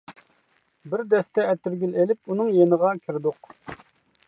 بىر دەستە ئەتىرگۈل ئېلىپ ئۇنىڭ يېنىغا كىردۇق.